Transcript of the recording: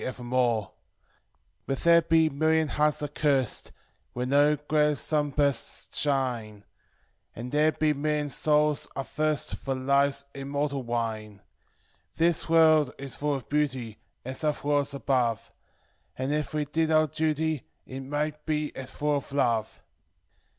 evermore: But there be million h< rsed, when no glad sunbursts shine. And there be million souls athirst for Life's immortal wine. "This world is full of beauty, as othei worlds above; And, it' we did our duty, it might be as full of love."